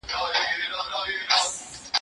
زما له ستوني سلامت سر دي ایستلی